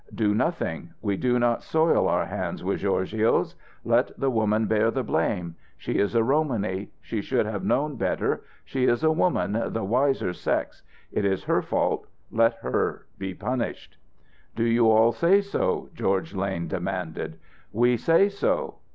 "Do nothing. We do not soil our hands with gorgios. Let the woman bear the blame. She is a Romany. She should have known better. She is a woman, the wiser sex. It is her fault. Let her be punished." "Do you all say so?" George Lane demanded. "We say so."